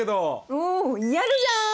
おやるじゃん！